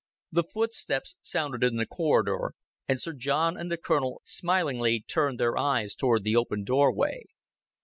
Then footsteps sounded in the corridor, and Sir John and the Colonel smilingly turned their eyes toward the open doorway.